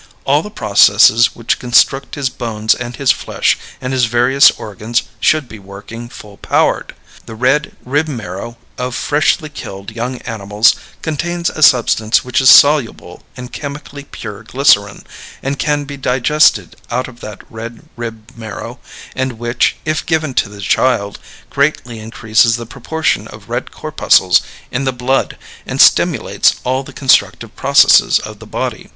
All the processes which construct his bones and his flesh and his various organs should be working full powered. The red rib marrow of freshly killed young animals contains a substance which is soluble in chemically pure glycerin and can be digested out of that red rib marrow, and which, if given to the child, greatly increases the proportion of red corpuscles in the blood and stimulates all the constructive processes of the body.